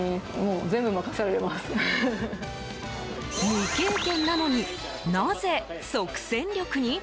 未経験なのに、なぜ即戦力に？